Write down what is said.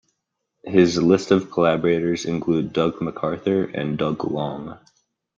His list of collaborators include Doug McArthur and Doug Long.